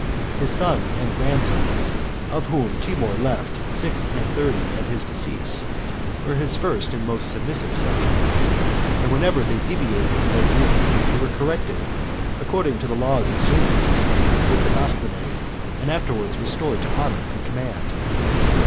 His sons and grandsons, of whom Timour left six and thirty at his decease, were his first and most submissive subjects; and whenever they deviated from their duty, they were corrected, according to the laws of Zingis, with the bastinade, and afterwards restored to honor and command.